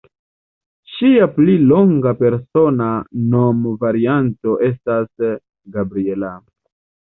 Ŝia pli longa persona nomvarianto estas Gabriella.